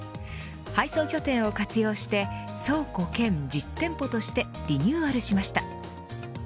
配送拠点を活用して倉庫兼実店舗としてリニューアルしました。